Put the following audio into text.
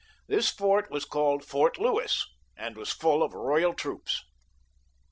This fort was called Fort Louis, and was full of royal troops.